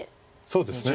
そうですね。